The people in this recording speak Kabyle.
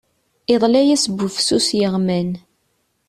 Iḍla-yas bufsus yeɣman.